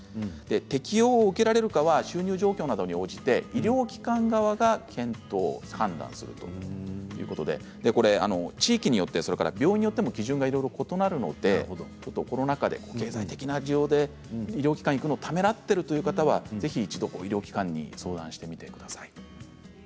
適用を受けられるかどうかは収入状況などに応じて医療機関側が検討、判断するということで地域によってそして病院によっても基準が異なるのでコロナ禍で経済的な事情で医療機関に行くのをためらっているという方はぜひ一度、医療機関に相談してみてください。